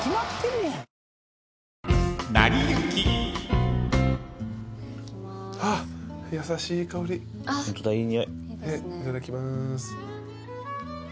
ねっいただきます。